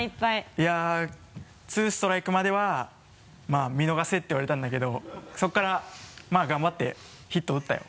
いやツーストライクまでは見逃せって言われたんだけどそこからまぁ頑張ってヒット打ったよ。